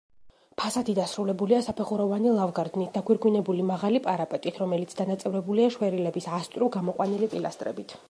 ფასადი დასრულებულია საფეხუროვანი ლავგარდნით დაგვირგვინებული, მაღალი პარაპეტით, რომელიც დანაწევრებულია შვერილების ასწვრივ გამოყვანილი პილასტრებით.